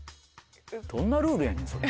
どんなルールやねんそれ。